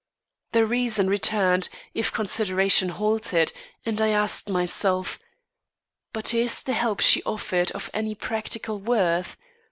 Then reason returned, if consideration halted, and I asked myself: "But is the help she offers of any practical worth?